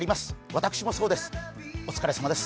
私もそうです。